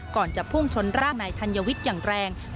ก่อนจะพุ่งช้นร่าง